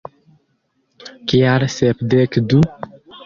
Kial Sepdek du?